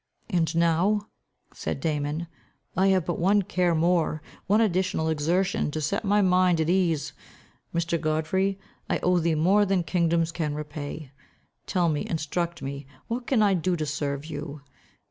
"And now," said Damon, "I have but one care more, one additional exertion, to set my mind at ease. My Godfrey, I owe thee more than kingdoms can repay. Tell me, instruct me, what can I do to serve you?